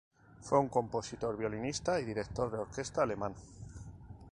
Fue un compositor, violinista y director de orquesta alemán.